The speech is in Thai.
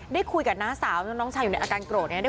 ได้คุยกับน้าสาวน้องชายอยู่ในอาการโกรธเนี่ย